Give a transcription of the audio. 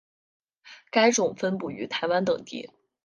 该种分布于台湾等地。